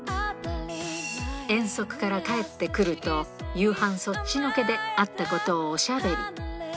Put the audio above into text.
遠足から帰ってくると、夕飯そっちのけであったことをおしゃべり。